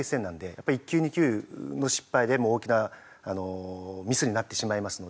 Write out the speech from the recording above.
やっぱり１球２球の失敗で大きなミスになってしまいますので。